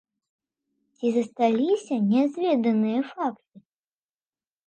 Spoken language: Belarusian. Ці засталіся нязведаныя факты?